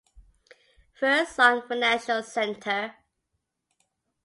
Verizon Financial Center.